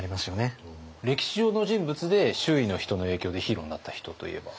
歴史上の人物で周囲の人の影響でヒーローになった人といえば？